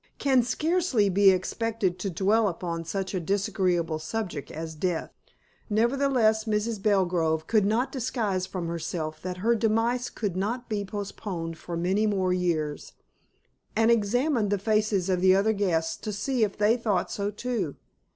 can scarcely be expected to dwell upon such a disagreeable subject as death. Nevertheless, Mrs. Belgrove could not disguise from herself that her demise could not be postponed for many more years, and examined the faces of the other guests to see if they thought so too.